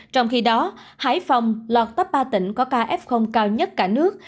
trong khi đó hải phòng lọt tấp ba tỉnh có ca f cao nhất cả nước